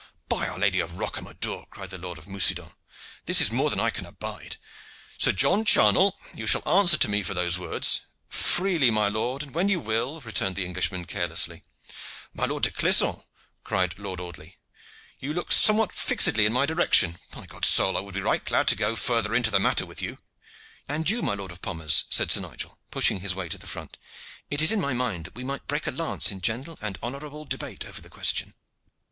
"By our Lady of Rocamadour!" cried the Lord of Mucident, "this is more than I can abide. Sir John Charnell, you shall answer to me for those words!" "Freely, my lord, and when you will," returned the Englishman carelessly. "My Lord de Clisson," cried Lord Audley, "you look somewhat fixedly in my direction. By God's soul! I should be right glad to go further into the matter with you." "And you, my Lord of Pommers," said Sir Nigel, pushing his way to the front, "it is in my mind that we might break a lance in gentle and honorable debate over the question."